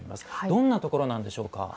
どんなところなんでしょうか。